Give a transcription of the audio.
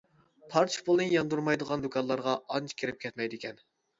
پارچە پۇلنى ياندۇرمايدىغان دۇكانلارغا ئانچە كىرىپ كەتمەيدىكەن.